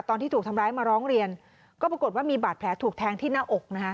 ตอนที่ถูกทำร้ายมาร้องเรียนก็ปรากฏว่ามีบาดแผลถูกแทงที่หน้าอกนะฮะ